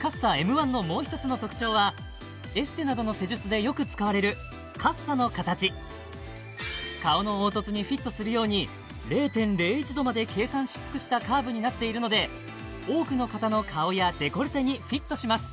１のもう一つの特徴はエステなどの施術でよく使われるカッサの形顔の凹凸にフィットするようにになっているので多くの方の顔やデコルテにフィットします